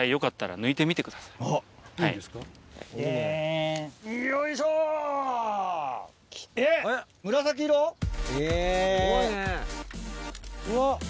すごいね。